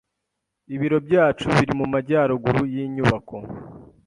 Ibiro byacu biri mumajyaruguru yinyubako.